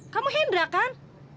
kamu hendra kan